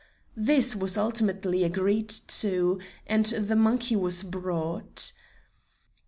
This was ultimately agreed to, and the monkey was brought.